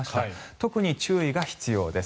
特に注意が必要です。